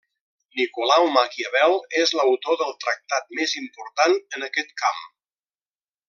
Nicolau Maquiavel és l'autor del tractat més important en aquest camp.